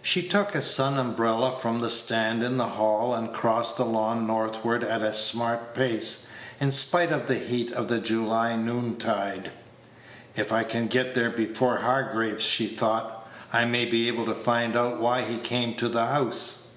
She took a sun umbrella from the stand in the hall, and crossed the lawn northward at a smart pace, in spite of the heat of the July Page 113 noontide. "If I can get there before Hargraves," she thought, "I may be able to find out why he came to the house."